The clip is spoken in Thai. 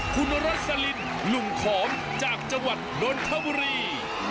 คุณรสลินลุงขอมจากจังหวัดนนทบุรี